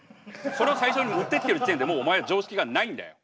それを最初に言ってきてる時点でもうお前は常識がないんだよ。